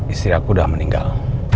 istri aku udah meninggal